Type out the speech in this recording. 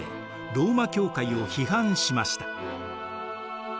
ローマ教会を批判しました。